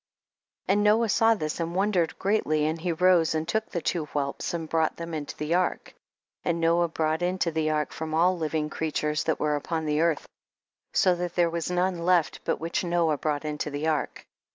7. And Noah saw this, and* won dered greatly, and he rose and took the two whelps, and brought them into the ark. 8. And Noah brought into the ark from all living creatures that were upon earth, so that there was none left but which Noah brought into the ark.